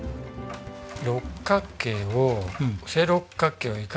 六角形を。